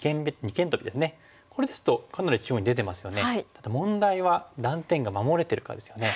ただ問題は断点が守れてるかですよね。